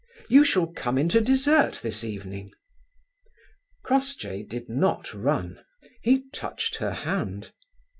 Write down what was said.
You shall come in to dessert this evening." Crossjay did not run. He touched her hand.